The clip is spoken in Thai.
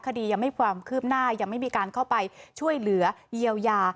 คดียังไม่ความคืบหน้ายังไม่มีการเข้าไปช่วยเหลือเยียวยา